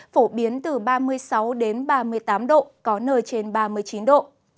phổ biến từ ba mươi sáu đến ba mươi tám độ có nơi trên ba mươi chín độ